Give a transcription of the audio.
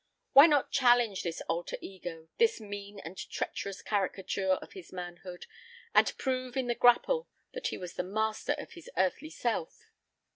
Why not challenge this alter ego, this mean and treacherous caricature of his manhood, and prove in the grapple that he was the master of his earthly self?